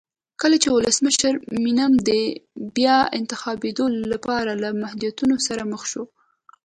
کله چې ولسمشر مینم د بیا انتخابېدو لپاره له محدودیتونو سره مخ شو.